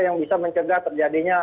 yang bisa mencedah terjadinya